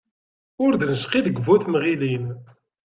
Ur d-necqi deg bu-temɣilin.